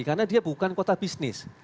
karena dia bukan kota bisnis